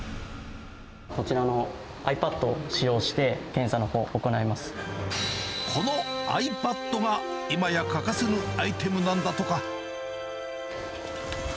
こちらのｉＰａｄを使用して、このｉＰａｄが、今や欠かせぬアイテムなんだとか。